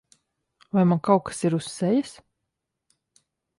Vai man kaut kas ir uz sejas?